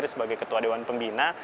dia sudah menjadi ketua dewan pembina